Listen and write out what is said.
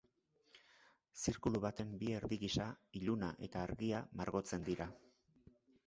Zirkulu baten bi erdi gisa, iluna eta argia, margotzen dira.